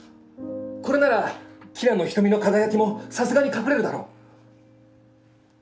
これならキラの瞳の輝きもさすがに隠れるだろう。